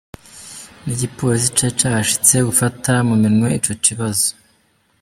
N'igipolisi cari cahashitse gufata mu minwe ico kibazo.